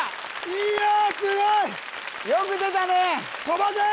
いやすごいよく出たね鳥羽くん！